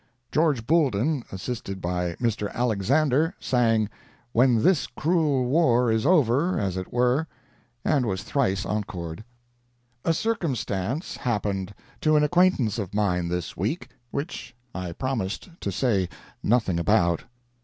George Boulden, assisted by Mr. Alexander, sang "When this Cruel War is Over, as it Were," and was thrice encored. A circumstance happened to an acquaintance of mine this week, which I promised to say nothing about.